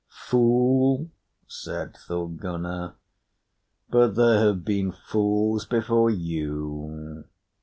"Fool!" said Thorgunna. "But there have been fools before you!"